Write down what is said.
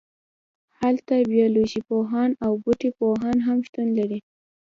هلته بیالوژی پوهان او بوټي پوهان هم شتون لري